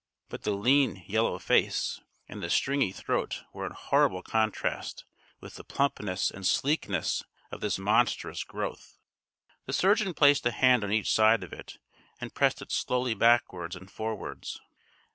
But the lean, yellow face and the stringy throat were in horrible contrast with the plumpness and sleekness of this monstrous growth. The surgeon placed a hand on each side of it and pressed it slowly backwards and forwards.